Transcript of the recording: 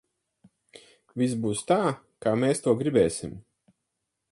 Viss būs tā, kā mēs to gribēsim!